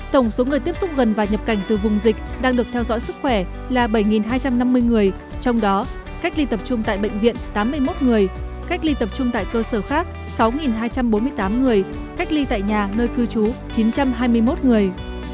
tổng số người tiếp xúc gần và nhập cảnh từ vùng dịch đang được theo dõi sức khỏe là bảy hai trăm năm mươi người trong đó cách ly tập trung tại bệnh viện tám mươi một người cách ly tập trung tại cơ sở khác sáu hai trăm bốn mươi tám người cách ly tại nhà nơi cư trú chín trăm hai mươi một người